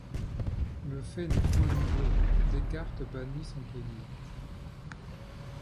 Le fait n’est point nouveau ; Descartes banni s’en plaignait.